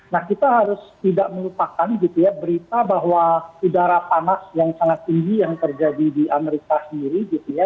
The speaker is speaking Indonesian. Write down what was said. nah kita harus tidak melupakan gitu ya berita bahwa udara panas yang sangat tinggi yang terjadi di amerika sendiri gitu ya